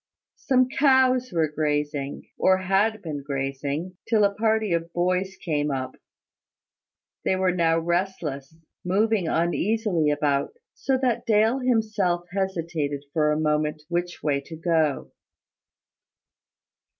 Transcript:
Some cows were grazing, or had been grazing, till a party of boys came up. They were now restless, moving uneasily about, so that Dale himself hesitated for a moment which way to go.